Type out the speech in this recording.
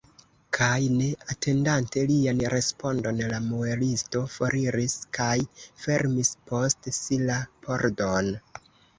Kaj ne atendante lian respondon, la muelisto foriris kaj fermis post si la pordon.